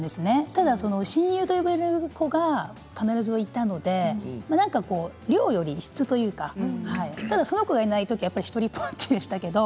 ただ親友と呼べる子が必ずいたので量より質というかただその子がいないと独りぼっちでしたけど。